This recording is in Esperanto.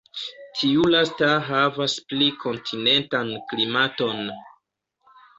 Tiu lasta havas pli kontinentan klimaton.